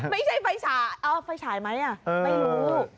ไม่ใช่ไฟฉายไฟฉายไหมไม่รู้